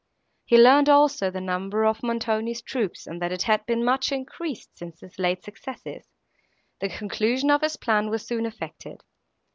He learned also the number of Montoni's troops, and that it had been much increased, since his late successes. The conclusion of his plan was soon effected.